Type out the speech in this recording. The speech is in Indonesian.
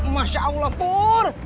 masya allah pur